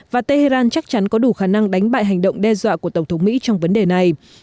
và tehran chắc chắn có đủ khả năng đánh bại hành động đe dọa của tổng thống mỹ trong vấn đề này